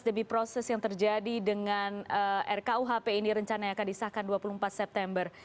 demi proses yang terjadi dengan rkuhp ini rencana yang akan disahkan dua puluh empat september